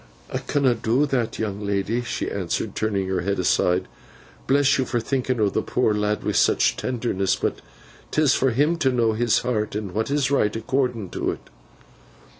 'I canna do that, young lady,' she answered, turning her head aside. 'Bless you for thinking o' the poor lad wi' such tenderness. But 'tis for him to know his heart, and what is right according to it.